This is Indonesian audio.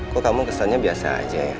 kok kamu kesannya biasa aja ya